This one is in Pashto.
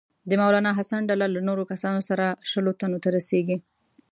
د مولنا حسن ډله له نورو کسانو سره شلو تنو ته رسیږي.